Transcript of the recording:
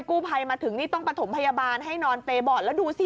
กู้ภัยมาถึงนี่ต้องประถมพยาบาลให้นอนเปย์บอร์ดแล้วดูสิ